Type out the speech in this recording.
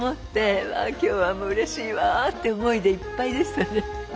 うわ今日はうれしいわって思いでいっぱいでしたね。